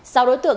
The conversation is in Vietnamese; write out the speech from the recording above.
sau đối tượng